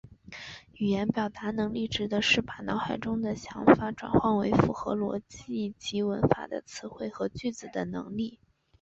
语言表达能力指的是把脑海中的想法转换为符合逻辑及文法的词汇和句子的能力。